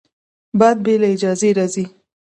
باد بې له اجازې راځي